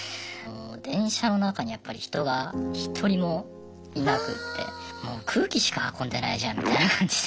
電車の中にやっぱり人が一人もいなくってもう空気しか運んでないじゃんみたいな感じで。